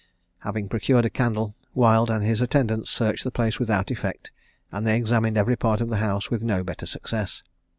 Having procured a candle, Wild and his attendants searched the place without effect, and they examined every part of the house with no better success.